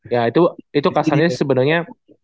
ya itu kasarnya sebenernya